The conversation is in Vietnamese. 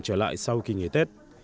trở lại sau kỳ nghỉ tết